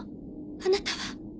あなたは？